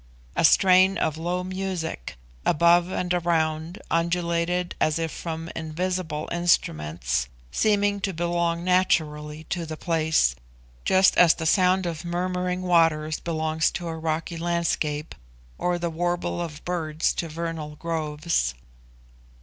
A strain of low music, above and around, undulated as if from invisible instruments, seeming to belong naturally to the place, just as the sound of murmuring waters belongs to a rocky landscape, or the warble of birds to vernal groves.